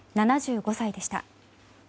７５歳でした。